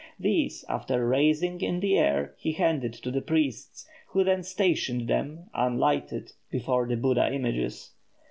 These, after raising in the air, he handed to the priests, who then stationed them, unlighted, before the Buddha images.